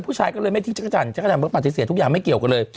ผู้ชายก็เลยไม่ทิ้งจักรจันทจักรจันทร์ปฏิเสธทุกอย่างไม่เกี่ยวกันเลย